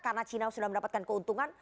karena cina sudah mendapatkan keuntungan